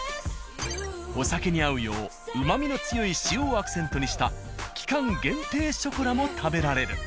お酒に合うよううまみの強い塩をアクセントにした期間限定ショコラも食べられる。